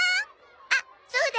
あっそうだ！